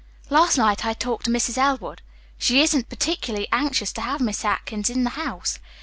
"Last night I talked with Mrs. Elwood. She isn't particularly anxious to have Miss Atkins in the house.